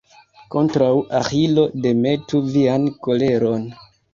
Kontraŭ Aĥilo demetu vian koleron.